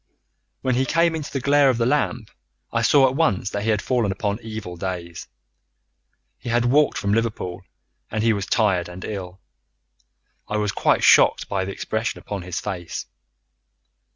"When he came into the glare of the lamp, I saw at once that he had fallen upon very evil days. He had walked from Liverpool, and he was tired and ill. I was quite shocked by the expression upon his face.